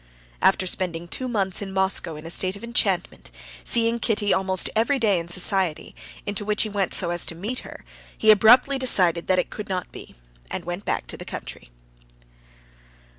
After spending two months in Moscow in a state of enchantment, seeing Kitty almost every day in society, into which he went so as to meet her, he abruptly decided that it could not be, and went back to the country.